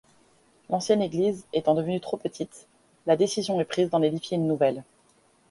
L'ancienne église étant devenue trop petite, la décision est prise d'en édifier une nouvelle.